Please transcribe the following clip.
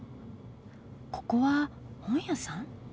ここは本屋さん？